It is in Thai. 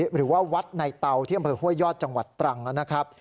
หรือว่าวัดในเตาที่อำเภอห้วยยอดจังหวัดตรังนะครับ